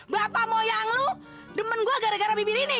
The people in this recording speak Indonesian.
bapak moyang lu demen gua gara gara bibir ini